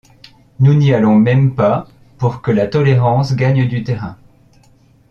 Nous n’y allons même pas pour que la tolérance gagne du terrain…